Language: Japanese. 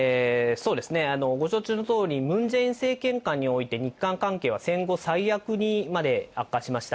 そうですね、ご承知のとおり、ムン・ジェイン政権下において、日韓関係は戦後最悪にまで悪化しました。